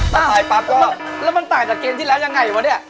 ตายปั๊บก็แล้วมันต่างจากเกมที่แล้วยังไงวะเนี่ย